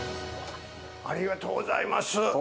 ありがとうございます。